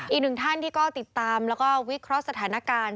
อีกหนึ่งท่านที่ก็ติดตามแล้วก็วิเคราะห์สถานการณ์